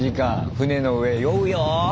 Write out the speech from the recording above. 船の上酔うよ。